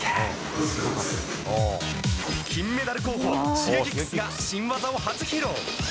金メダル候補Ｓｈｉｇｅｋｉｘが新技を初披露。